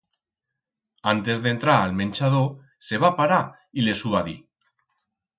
Antes d'entrar a'l menchador, se va parar y les hu va dir.